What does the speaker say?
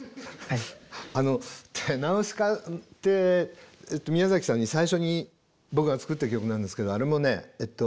あの「ナウシカ」って宮崎さんに最初に僕が作った曲なんですけどあれもね